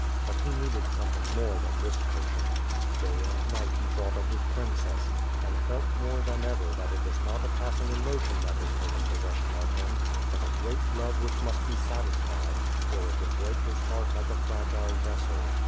But he needed something more than this potion. Day uid night he thought of his princess — and felt more than ever that it was not a passing emotion that had taken possession of him, but a great love which must ])e satisfied, or it would break his heart like a fragile vessel.